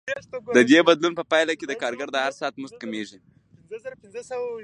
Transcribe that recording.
د دې بدلون په پایله کې د کارګر د هر ساعت مزد کمېږي